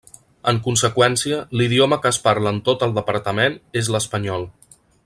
En conseqüència l'idioma que es parla en tot el departament és l'espanyol.